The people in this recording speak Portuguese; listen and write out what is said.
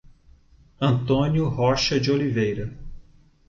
Antônio Rocha de Oliveira